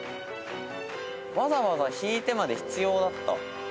わざわざ引いてまで必要だった？